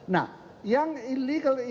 nah yang illegal imigrasi